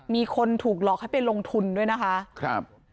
มีคนถูกหลอกให้ไปลงทุนด้วยนะคะครับ